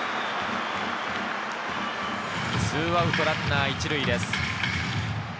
２アウトランナー１塁です。